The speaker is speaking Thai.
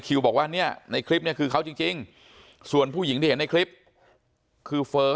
บอกว่าเนี่ยในคลิปเนี่ยคือเขาจริงส่วนผู้หญิงที่เห็นในคลิปคือเฟ้อ